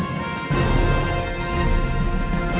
สวัสดีครับ